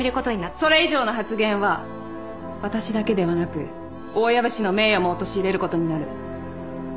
それ以上の発言は私だけではなく大藪氏の名誉も陥れることになる。